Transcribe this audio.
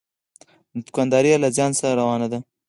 دوکانداري یې له زیان سره روانه ده.